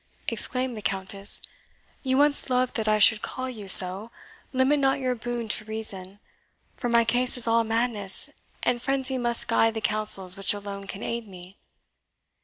exclaimed the Countess "you once loved that I should call you so limit not your boon to reason; for my case is all madness, and frenzy must guide the counsels which alone can aid me."